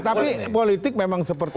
tapi politik memang seperti